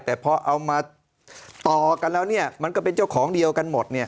แต่พอเอามาต่อกันแล้วมันก็เป็นเจ้าของเดียวกันหมด